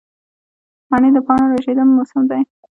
منی د پاڼو ریژیدو موسم دی